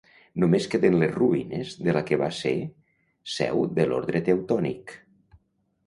Només queden les ruïnes de la que va ser seu de l'Orde Teutònic.